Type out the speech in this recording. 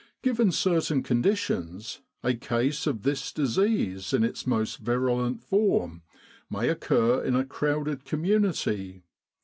Given certain conditions, a case of this disease in its most virulent form may occur in a crowded com* munity.